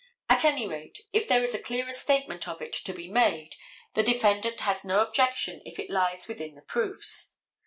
At any rate, if there is a clearer statement of it to be made, the defendant has no objection if it lies within the proofs.